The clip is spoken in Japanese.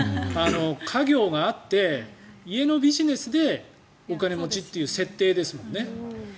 家業があって家のビジネスでお金持ちという設定ですもんね。